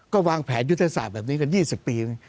ก็วางแผนยุทธศาสตร์แบบนี้กัน๒๐ปี